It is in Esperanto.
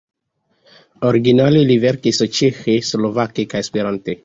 Originale li verkis ĉeĥe, slovake kaj esperante.